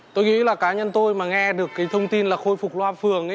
tôi nghĩ là cá nhân tôi mà nghe được cái thông tin là khôi phục loa phường